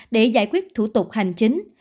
giải quyết thủ tục hành chính